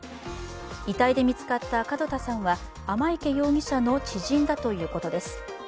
遺体で見つかった門田さんは天池容疑者の知人だということです。